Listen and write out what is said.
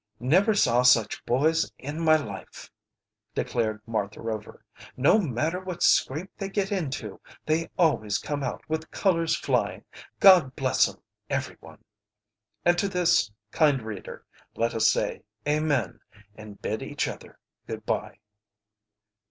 "Never saw such boys in my life!" declared Martha Rover. "No matter what scrape they get into, they always come out with colors flying. God bless 'em every one!" And to this, kind reader, let us say Amen, and bid each other good by.